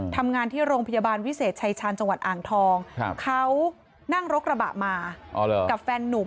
ทำงานที่โรงพยาบาลวิเศษชายชาญจังหวัดอ่างทองเขานั่งรถกระบะมากับแฟนนุ่ม